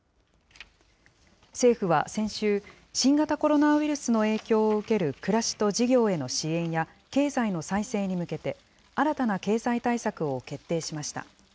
政府は先週、新型コロナウイルスの影響を受ける暮らしと事業への支援や経済の再生に向けて、新たな経済対策を決定しました。